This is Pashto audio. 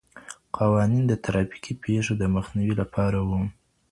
قوانین د ترافیکي پیښو د مخنیوي لپاره وو.